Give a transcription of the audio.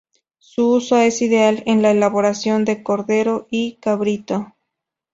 Su uso es ideal en la elaboración de cordero o cabrito.